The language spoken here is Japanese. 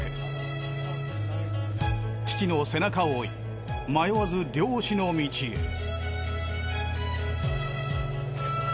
父の背中を追い迷わず漁師の道へ。